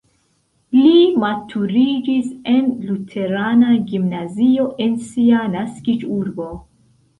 Li maturiĝis en luterana gimnazio en sia naskiĝurbo.